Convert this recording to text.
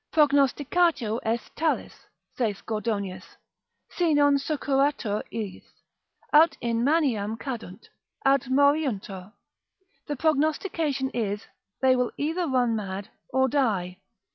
Prognosticatio est talis, saith Gordonius, si non succurratur iis, aut in maniam cadunt, aut moriuntur; the prognostication is, they will either run mad, or die.